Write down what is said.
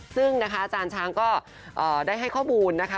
ซึ่งนะคะอาจารย์ช้างก็ได้ให้ข้อมูลนะคะ